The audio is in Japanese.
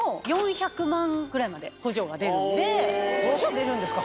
補助出るんですか？